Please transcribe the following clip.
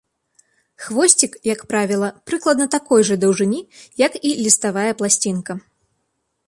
Хвосцік, як правіла, прыкладна такой жа даўжыні, як і ліставая пласцінка.